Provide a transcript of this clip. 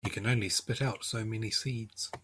You can only spit out so many seeds.